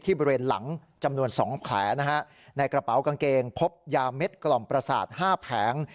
บริเวณหลังจำนวน๒แผลนะฮะในกระเป๋ากางเกงพบยาเม็ดกล่อมประสาท๕แผง